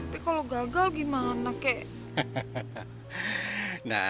tapi kalau gagal gimana kek